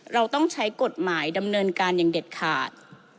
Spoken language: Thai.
เราต้องใช้กฎหมายดำเนินการอย่างเด็ดขาด